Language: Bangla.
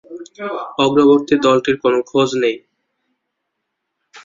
অগ্রবর্তী দলটির কোন খোঁজ নেই।